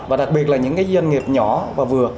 và đặc biệt là những doanh nghiệp nhỏ và vừa